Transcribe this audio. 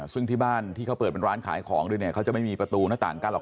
ซึ่งที่บ้านที่เขาเปิดเป็นร้านขายของด้วยเนี่ยเขาจะไม่มีประตูหน้าต่างกั้นหรอก